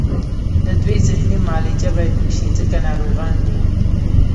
د دوی ذهني معالجه باید وشي ځکه ناروغان دي